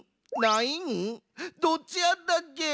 どっちやったっけ？